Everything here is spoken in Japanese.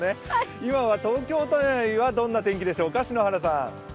今は東京都内は、どんな天気でしょうか。